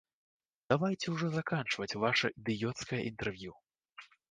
Давайце ўжо заканчваць ваша ідыёцкае інтэрв'ю.